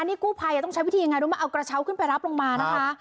นี่กู้ภัยต้องใช้วิธียังไงรู้ไหมเอากระเช้าขึ้นไปรับลงมานะคะ